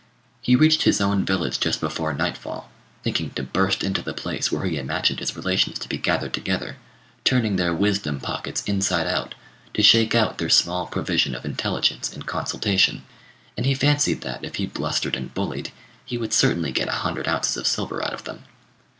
He reached his own village just before nightfall, thinking to burst into the place where he imagined his relations to be gathered together, turning their wisdom pockets inside out, to shake out their small provision of intelligence in consultation; and he fancied that, if he blustered and bullied, he would certainly get a hundred ounces of silver out of them.